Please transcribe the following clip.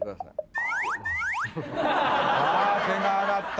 あ手が挙がった。